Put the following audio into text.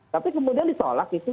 tapi kemudian ditolak itu